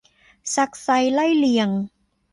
ซักไซ้ไล่เลียง